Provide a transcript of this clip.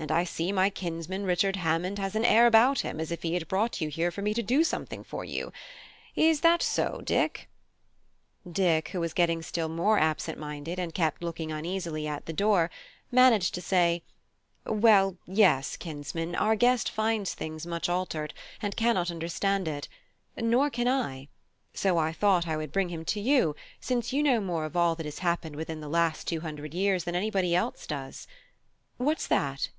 And I see my kinsman Richard Hammond has an air about him as if he had brought you here for me to do something for you. Is that so, Dick?" Dick, who was getting still more absent minded and kept looking uneasily at the door, managed to say, "Well, yes, kinsman: our guest finds things much altered, and cannot understand it; nor can I; so I thought I would bring him to you, since you know more of all that has happened within the last two hundred years than any body else does. What's that?"